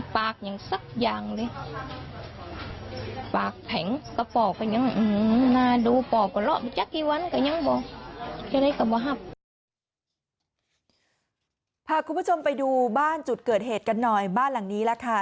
พาคุณผู้ชมไปดูบ้านจุดเกิดเหตุกันหน่อยบ้านหลังนี้ล่ะค่ะ